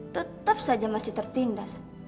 tetap saja masih tertindas